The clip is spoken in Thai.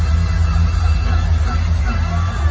อาราภัย